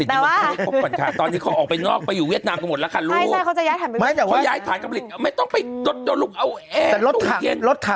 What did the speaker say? รถยนต์รถยนต์เราคือฐานผลิตที่ดีมากเลยนะ